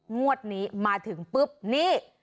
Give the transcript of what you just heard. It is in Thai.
งวดนี้มาถึงปุ๊บนี่